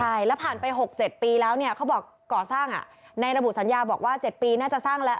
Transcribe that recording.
ใช่แล้วผ่านไป๖๗ปีแล้วเนี่ยเขาบอกก่อสร้างในระบุสัญญาบอกว่า๗ปีน่าจะสร้างแล้ว